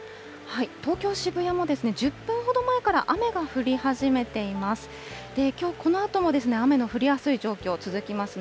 東京・渋谷も、１０分ほど前から雨が降り始めています。